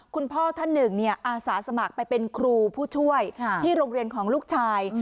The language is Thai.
คุณพ่อท่านหนึ่งอาสาสมัครไปเป็นครูผู้ช่วยที่โรงเรียนของลูกชาย